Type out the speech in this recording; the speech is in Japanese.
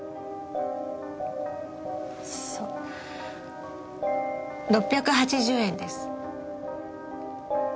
そう６８０円です。